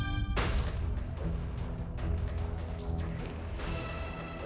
kamu juga gak jauh